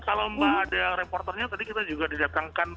kalau mbak ada reporternya tadi kita juga didatangkan